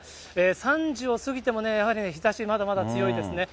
３時を過ぎてもね、やはり日ざし、まだまだ強いですね。